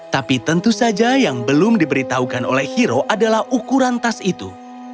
tapi tentu saja yang belum diberitahukan oleh hero adalah ukuran tas itu